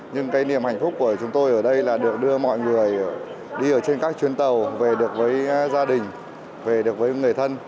nhưng cái niềm hạnh phúc của chúng tôi ở đây là được đưa mọi người đi ở trên các chuyến tàu về được với gia đình về được với người thân